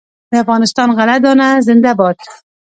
د افغانستان غله دانه زنده باد.